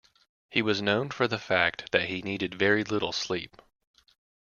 He was known for the fact that he needed very little sleep.